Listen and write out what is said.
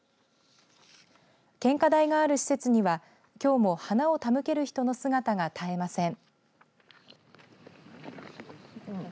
献花台がある施設にはきょうも花を手向ける人の姿が絶えません。